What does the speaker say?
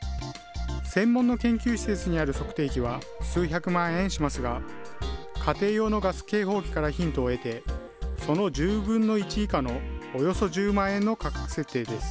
専門の研究施設にある測定器は、数百万円しますが、家庭用のガス警報器からヒントを得て、その１０分の１以下のおよそ１０万円の価格設定です。